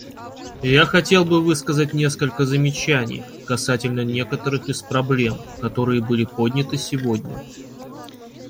Я хотел бы высказать несколько замечаний касательно некоторых из проблем, которые были подняты сегодня.